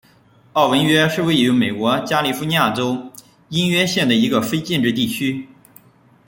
奥文约是位于美国加利福尼亚州因约县的一个非建制地区。